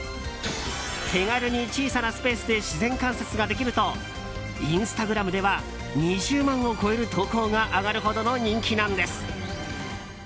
手軽に小さなスペースで自然観察ができるとインスタグラムでは２０万を超える投稿が上がるほどの人気なんです。